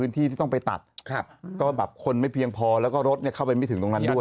ที่ต้องไปตัดก็แบบคนไม่เพียงพอแล้วก็รถเข้าไปไม่ถึงตรงนั้นด้วย